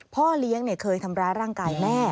พ่อเลี้ยงเคยทำร้ายร่างกายแม่